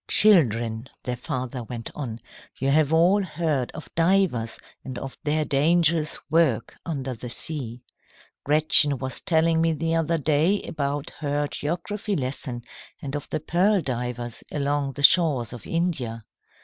"Children," their father went on, "you have all heard of divers and of their dangerous work under the sea. Gretchen was telling me the other day about her geography lesson, and of the pearl divers along the shores of India.